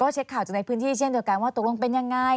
เช็คข่าวจากในพื้นที่เช่นเดียวกันว่าตกลงเป็นยังไง